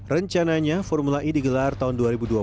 rencananya formula e digelar tahun dua ribu dua puluh